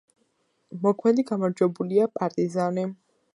მოქმედი გამარჯვებულია „პარტიზანი“.